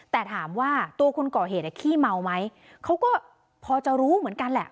แต่ถามว่าตัวคนก่อเหตุขี้เมาไหมเขาก็พอจะรู้เหมือนกันแหละ